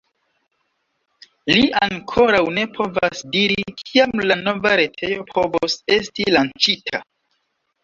Li ankoraŭ ne povas diri, kiam la nova retejo povos esti lanĉita.